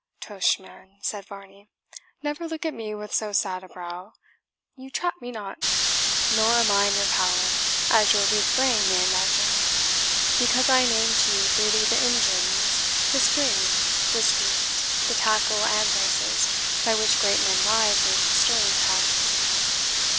"Tush, man," said Varney, "never look at me with so sad a brow. You trap me not nor am I in your power, as your weak brain may imagine, because I name to you freely the engines, the springs, the screws, the tackle, and braces, by which great men rise in stirring times.